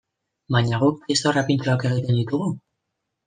Baina guk txistorra pintxoak egiten ditugu?